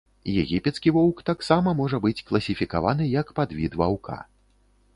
Егіпецкі воўк таксама можа быць класіфікаваны як падвід ваўка.